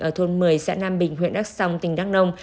ở thôn một mươi xã nam bình huyện đắk song tỉnh đắk nông